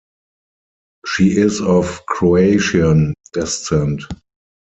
She is of Croatian descent.